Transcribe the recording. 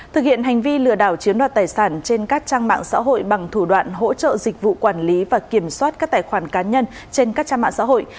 thực hiện hành vi lừa đảo chiếm đoạt tài sản trên các trang mạng xã hội bằng thủ đoạn hỗ trợ dịch vụ quản lý và kiểm soát các tài khoản cá nhân trên các trang mạng xã hội